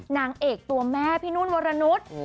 นางเอกตัวแม่พี่นุ่นวรนุษย์